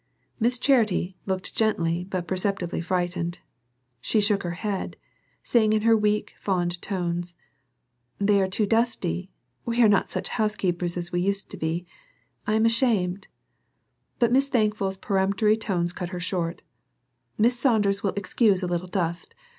Miss Charity looked gently but perceptibly frightened. She shook her head, saying in her weak, fond tones: "They are too dusty; we are not such housekeepers as we used to be; I am ashamed " But Miss Thankful's peremptory tones cut her short. "Miss Saunders will excuse a little dust.